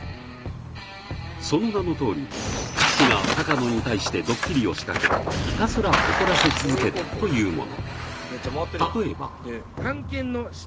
その名のとおり岸が高野に対してドッキリを仕掛けひたすら怒らせ続けるというもの